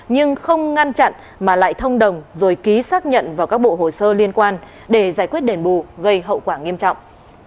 nhưng không ngăn chặn mà lại thông đồng rồi ký xác nhận vào các bộ hồ sơ liên quan để giải quyết đền bù gây hậu quả nghiêm trọng